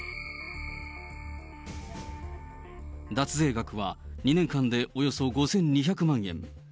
脱税額は２年間でおよそ５２００万円。